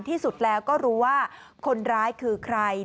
ที่สุดแล้วก็รู้ว่าคนร้ายคือใคร